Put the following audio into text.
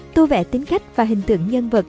tu vẽ tính cách và hình tượng nhân vật